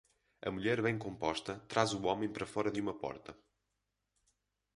A mulher bem composta traz o homem para fora de uma porta.